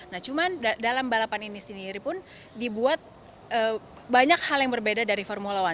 nah cuman dalam balapan ini sendiri pun dibuat banyak hal yang berbeda dari formula one